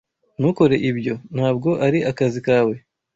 Ntukore ibyo. Ntabwo ari akazi kawe.